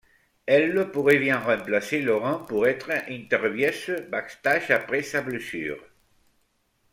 Elle pourrait bien remplacer Lauren pour être intervieweuse backstage après sa blessure.